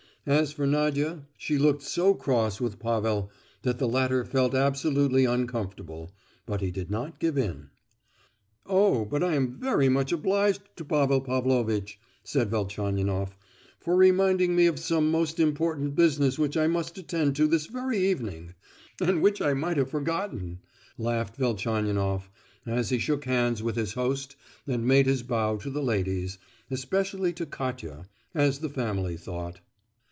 As for Nadia, she looked so cross with Pavel, that the latter felt absolutely uncomfortable; but he did not give in. "Oh, but I am very much obliged to Pavel Pavlovitch," said Velchaninoff, "for reminding me of some most important business which I must attend to this very evening, and which I might have forgotten," laughed Velchaninoff, as he shook hands with his host and made his bow to the ladies, especially to Katia, as the family thought.